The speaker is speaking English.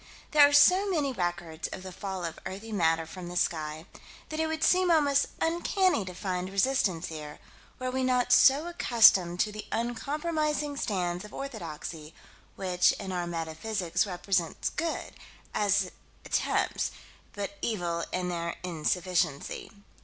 There are so many records of the fall of earthy matter from the sky that it would seem almost uncanny to find resistance here, were we not so accustomed to the uncompromising stands of orthodoxy which, in our metaphysics, represent good, as attempts, but evil in their insufficiency.